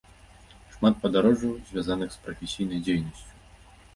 Шмат падарожжаў, звязаных з прафесійнай дзейнасцю.